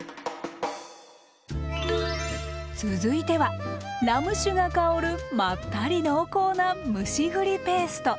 続いてはラム酒が香るまったり濃厚な蒸し栗ペースト。